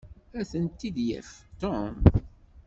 Ad tent-id-yaf Tom.